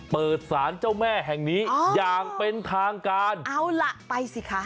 เปิดสารเจ้าแม่แห่งนี้อย่างเป็นทางการเอาล่ะไปสิคะ